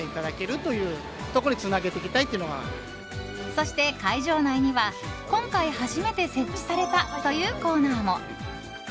そして、会場内には今回初めて設置されたというコーナーも。